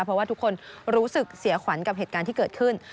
เพราะว่าทุกคนรู้สึกเสียขวัญกับเหตุการณ์ที่เกิดขึ้น